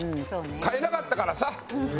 買えなかったからさ。